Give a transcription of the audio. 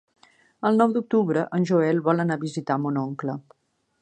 El nou d'octubre en Joel vol anar a visitar mon oncle.